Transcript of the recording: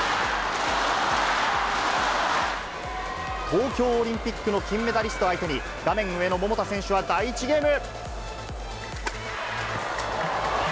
東京オリンピックの金メダリスト相手に、画面上の桃田選手は第１ゲーム。